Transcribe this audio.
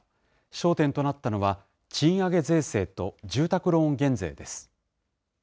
焦点となったのは、賃上げ税制と住宅ローン減税です。